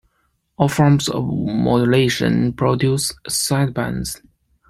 All forms of modulation produce sidebands.